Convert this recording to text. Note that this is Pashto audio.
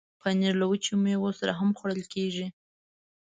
پنېر له وچو میوو سره هم خوړل کېږي.